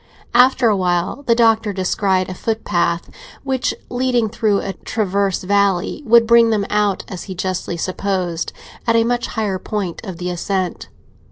After a while the Doctor descried a footpath which, leading through a transverse valley, would bring them out, as he justly supposed, at a much higher point of the ascent.